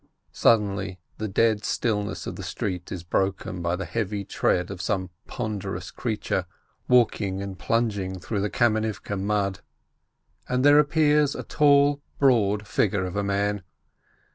Suddenly the dead stillness of the street is broken by the heavy tread of some ponderous creature, walking and plunging through the Kamenivke mud, and there appears the tall, broad figure of a man.